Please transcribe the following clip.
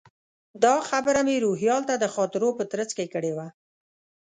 دا خبره مې روهیال ته د خاطرو په ترڅ کې کړې وه.